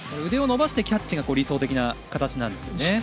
腕を伸ばしてキャッチが理想的な形なんですね。